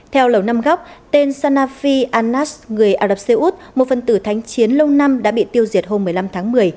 theo lầu năm góc tên sanafi anas người ả rập xê út một phần tử thánh chiến lâu năm đã bị tiêu diệt hôm một mươi năm tháng một mươi